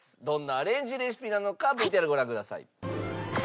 どんなアレンジレシピなのかＶＴＲご覧ください。